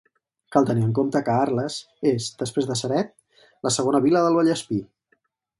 Cal tenir en compte que Arles és, després de Ceret, la segona vila del Vallespir.